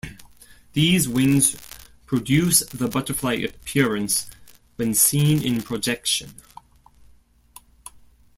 These wings produce the butterfly appearance when seen in projection.